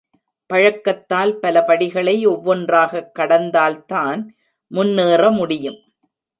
பழக்கத்தால் பல படிகளை ஒவ்வொன்றாகக் கடந்தால்தான் முன்னேற முடியும்.